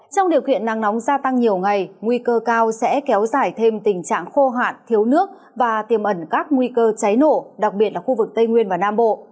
trong điều kiện nắng nóng gia tăng nhiều ngày nguy cơ cao sẽ kéo dài thêm tình trạng khô hạn thiếu nước và tiềm ẩn các nguy cơ cháy nổ đặc biệt là khu vực tây nguyên và nam bộ